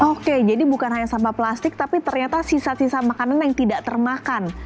oke jadi bukan hanya sampah plastik tapi ternyata sisa sisa makanan yang tidak termakan